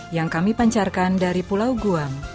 yang kami pancarkan dari pulau guam